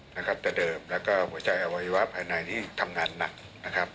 นะครับแต่เดิมแล้วก็หัวใจอวัยวะภายในนี่ทำงานหนักนะครับ